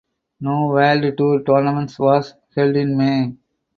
No World Tour tournaments was held in May.